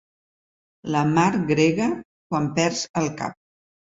La mar grega quan perds el cap.